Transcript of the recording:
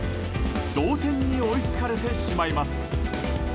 同点に追いつかれてしまいます。